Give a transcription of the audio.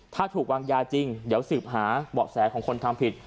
ถ้าถูกวางยาจริงเดี๋ยวสืบหาเบาะแสของคนทำผิด